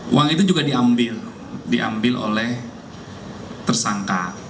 uang itu juga diambil diambil oleh tersangka